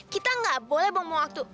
kita nggak boleh buang waktu